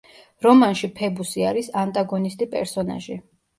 რომანში ფებუსი არის ანტაგონისტი პერსონაჟი.